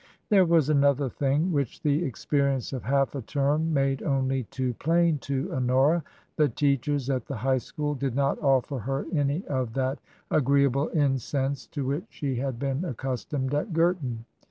There was another thing which the experience of half a term made only too plain to Honora. The teachers at the High School did not offer her any of that agreeable incense to which she had been accus tomed at Girton.